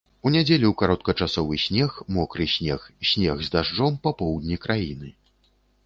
У нядзелю кароткачасовы снег, мокры снег, снег з дажджом па поўдні краіны.